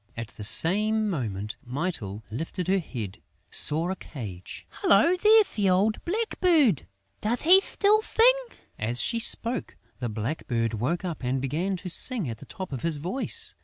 At the same moment, Mytyl, lifting her head, saw a cage: "Hullo, there's the old blackbird!... Does he still sing?" As she spoke, the blackbird woke up and began to sing at the top of his voice.